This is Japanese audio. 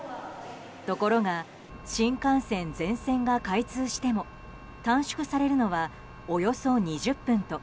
ところが新幹線全線が開通しても短縮されるのはおよそ２０分と